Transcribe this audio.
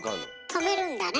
止めるんだね。